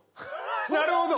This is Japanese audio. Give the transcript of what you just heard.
なるほど。